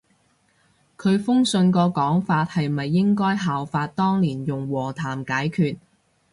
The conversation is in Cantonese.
佢封信個講法咪係應該效法當年用和談解決